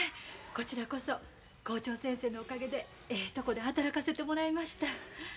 こちらこそ校長先生のおかげでええとこで働かせてもらいました。